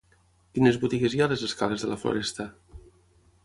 Quines botigues hi ha a les escales de la Floresta?